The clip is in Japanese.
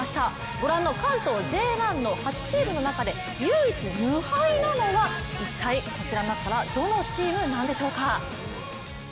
ご覧の関東Ｊ１の８チームの中で唯一無敗なのは一体この中のどのチームなんでしょうか？